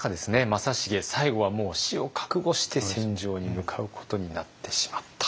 正成最後はもう死を覚悟して戦場に向かうことになってしまった。